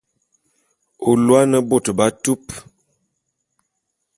Ô lôô ane bôt b'atupe.